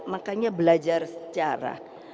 makanya belajar sejarah